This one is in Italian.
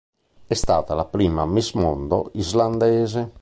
È stata la prima Miss Mondo islandese.